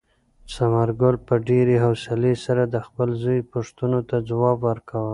ثمرګل په ډېرې حوصلې سره د خپل زوی پوښتنو ته ځواب ورکاوه.